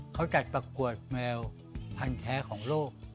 เขาจัดประกวดแมวพันแท้ของโลก